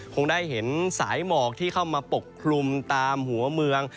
คงได้เห็นสายหมอกที่เข้ามาปกคลุมตามหัวเมือง